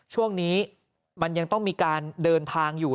ช่วงนี้มันยังต้องมีการเดินทางอยู่